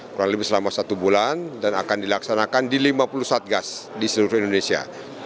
kurang lebih selama satu bulan dan akan dilaksanakan di lima puluh satgas di seluruh indonesia